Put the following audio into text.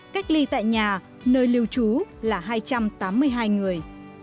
cách ly tại nhà nơi lưu trú là hai trăm tám mươi hai người